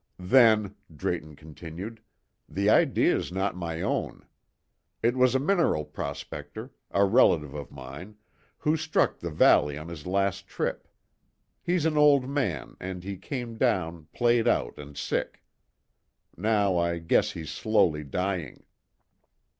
"Then," Drayton continued, "the idea's not my own. It was a mineral prospector a relative of mine who struck the valley on his last trip. He's an old man, and he came down played out and sick. Now I guess he's slowly dying."